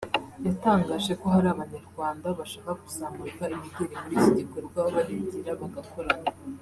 yatangaje ko hari abanyarwanda bashaka kuzamurika imideli muri iki gikorwa babegera bagakorana